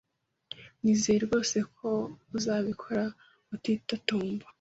Nizeye rwose ko uzabikora utitotomba.